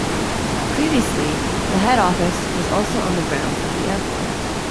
Previously the head office was also on the grounds of the airport.